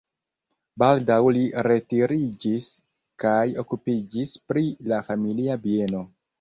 Baldaŭ li retiriĝis kaj okupiĝis pri la familia bieno.